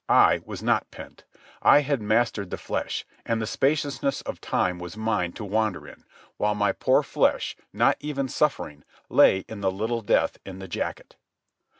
I was not pent. I had mastered the flesh, and the spaciousness of time was mine to wander in, while my poor flesh, not even suffering, lay in the little death in the jacket.